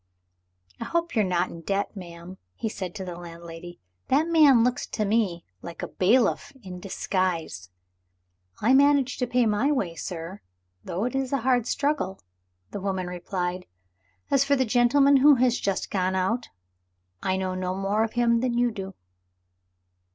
"I hope you are not in debt, ma'am," he said to the landlady; "that man looks to me like a bailiff in disguise." "I manage to pay my way, sir, though it is a hard struggle," the woman replied. "As for the gentleman who has just gone out, I know no more of him than you do."